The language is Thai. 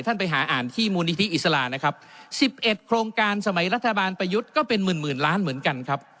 ท่านไปหาอ่านที่มูลนิธิอิสลานะครับ๑๑โครงการสมัยรัฐบาลประยุทธ์ก็เป็นหมื่นหมื่นล้านเหมือนกันครับ